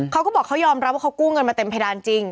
เขาก็บอกเขายอมรับว่าเขากู้เงินมาเต็มเพดานจริง